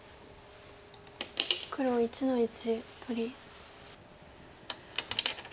黒１の一取り。